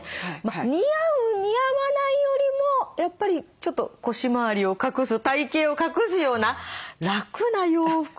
似合う似合わないよりもやっぱりちょっと腰回りを隠す体型を隠すような楽な洋服がいいとか。